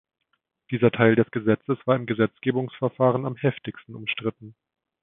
Dieser Teil des Gesetzes war im Gesetzgebungsverfahren am heftigsten umstritten.